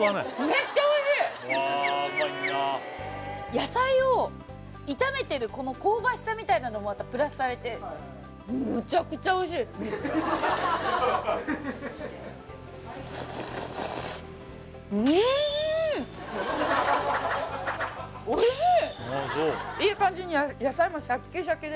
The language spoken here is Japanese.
野菜を炒めてるこの香ばしさみたいなのもプラスされてむちゃくちゃおいしいですおいしい！